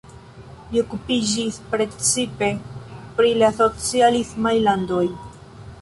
Li okupiĝis precipe pri la socialismaj landoj.